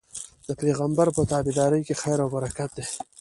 د پيغمبر په تابعدارۍ کي خير او برکت دی